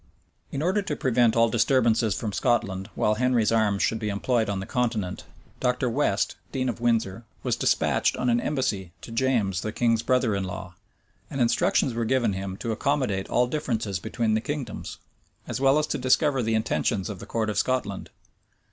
In order to prevent all disturbances from Scotland while Henry's arms should be employed on the continent, Dr. West, dean of Windsor, was despatched on an embassy to James, the king's brother in law; and instructions were given him to accommodate all differences between the kingdoms, as well as to discover the intentions of the court of Scotland.